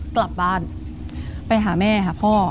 กลับบ้านไปหาแม่หาพ่อ